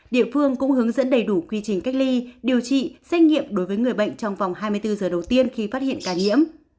địa phương cũng hướng dẫn đầy đủ quy trình cách ly điều trị xét nghiệm đối với người bệnh trong vòng hai mươi bốn giờ đầu tiên khi phát hiện ca nhiễm